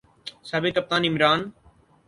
سابق کپتان عمران